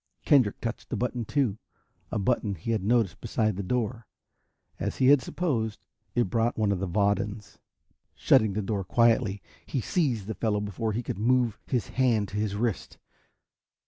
Kendrick touched a button too, a button he had noticed beside the door. As he had supposed, it brought one of the Vadans. Shutting the door quietly, he seized the fellow before he could move his hand to his wrist.